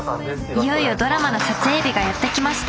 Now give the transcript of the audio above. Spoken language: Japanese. いよいよドラマの撮影日がやって来ました。